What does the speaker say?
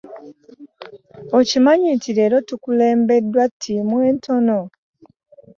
Okimanyi nti leero tukulembedwa ttiimu entono.